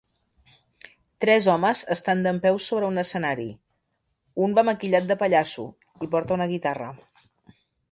Tres homes estan dempeus sobre un escenari, un va maquillat de pallasso i porta una guitarra.